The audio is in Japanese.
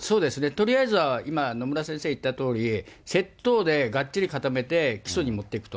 とりあえずは今、野村先生言ったとおり、窃盗でがっちり固めて起訴にもっていくと。